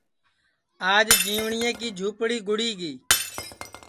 آج جیوٹؔیے کی جُھوپڑی گُڑی گی